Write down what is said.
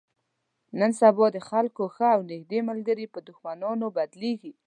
نن سبا د خلکو ښه او نیږدې ملګري په دښمنانو بدلېږي.